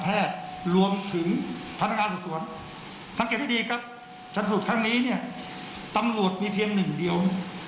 อันนี้ครับชั้นสูตรครั้งนี้เนี่ยตำรวจมีเพียงหนึ่งเดียว